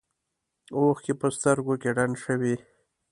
اوښکې په سترګو کې ډنډ شوې.